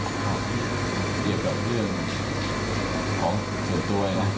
เกี่ยวกับเรื่องของส่วนตัวเลยนะ